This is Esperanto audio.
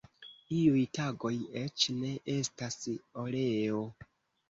Iuj tagoj eĉ ne estas oleo.